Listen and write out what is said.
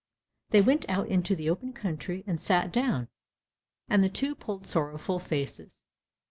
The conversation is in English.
They went out into the open country and sat down, and the two pulled sorrowful faces.